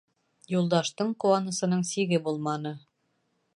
Юлдаштың ҡыуанысының сиге булманы.